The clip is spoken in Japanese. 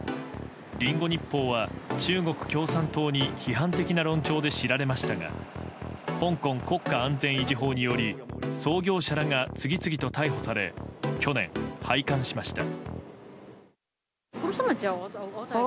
リンゴ日報は中国共産党に批判的な論調で知られましたが香港国家安全維持法により創業者らが次々と逮捕され去年、廃刊しました。